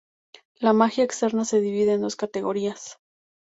La magia externa se divide en dos categorías.